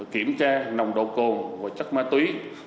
kiểm tra nồng độ cồn và chất ma túy